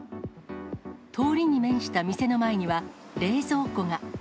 通りに面した店の前には、冷蔵庫が。